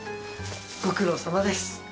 ご苦労さまです。